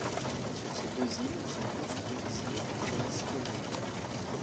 Sur ces deux îles sont construites des forteresses coloniales.